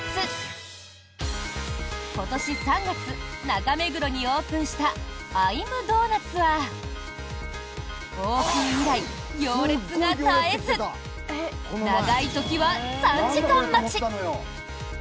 今年３月、中目黒にオープンしたＩ’ｍｄｏｎｕｔ？はオープン以来、行列が絶えず長い時は３時間待ち！